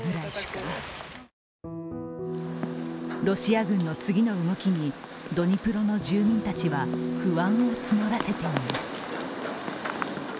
ロシア軍の次の動きにドニプロの住民たちは不安を募らせています。